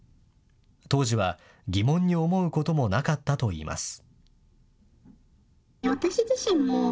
当時は、疑問に思うこともなかったといいます。